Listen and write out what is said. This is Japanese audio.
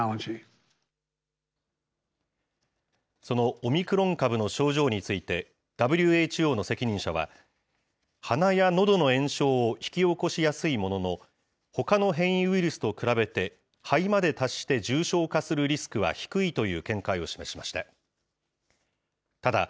そのオミクロン株の症状について、ＷＨＯの責任者は、鼻やのどの炎症を引き起こしやすいものの、ほかの変異ウイルスと比べて、肺まで達して重症化するリスクは低いという見解を示しました。